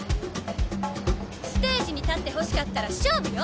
ステージに立ってほしかったら勝負よ！